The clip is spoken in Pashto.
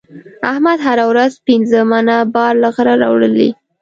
احمد هره ورځ پنځه منه بار له غره راولي.